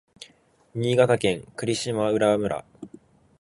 新潟県粟島浦村